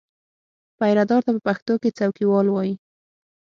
پیرهدار ته په پښتو کې څوکیوال وایي.